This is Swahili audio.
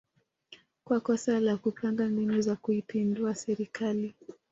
kwa kosa la kupanga mbinu za kuipindua serikali